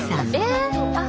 えっ！